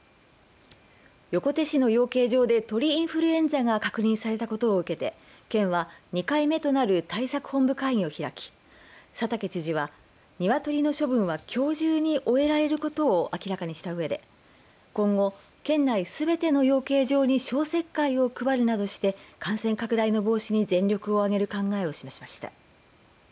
横手市の養鶏場で鳥インフルエンザが確認されたことを受けて県は２回目となる対策本部会議を開き佐竹知事はニワトリの処分はきょう中に終えられることを明らかにしたうえで今後、県内すべての養鶏場に消石灰を配るなどして感染拡大の防止に全力を挙げる考えを示しました。